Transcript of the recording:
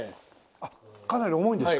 あっかなり重いんですか？